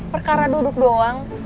perkara duduk doang